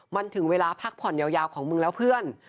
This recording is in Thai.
มันถึงเวลาพักผ่อนยาวของมึงแล้วเพื่อน